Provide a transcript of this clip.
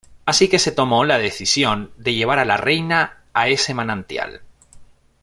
Así que se tomó la decisión de llevar a la reina a ese manantial.